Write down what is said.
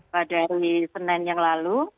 pada hari senin yang lalu